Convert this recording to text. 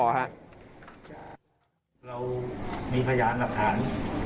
เรามีพยานหลักฐาน